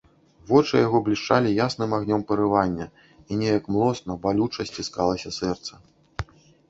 Вочы ў яго блішчалі ясным агнём парывання, і неяк млосна, балюча сціскалася сэрца.